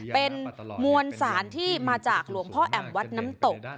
เป็นมวลสารที่มาจากหลวงพ่อแอมวัดน้ำตก